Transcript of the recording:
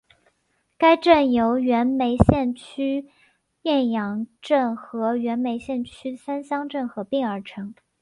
该镇由原梅县区雁洋镇和原梅县区三乡镇合并而成。